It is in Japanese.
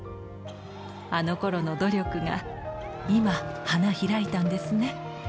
あのころの努力が今、花開いたんですね。